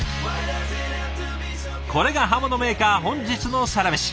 これが刃物メーカー本日のサラメシ。